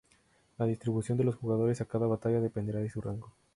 La distribución de los jugadores a cada batalla dependerá de su rango.